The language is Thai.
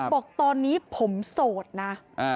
บอกตอนนี้ผมโสดนะ